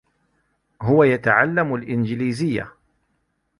هو يتعلّم الإنجليزيّة.